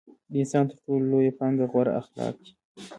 د انسان تر ټولو لويه پانګه غوره اخلاق دي.